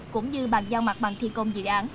cũng như bàn giao mặt bằng thi công dự án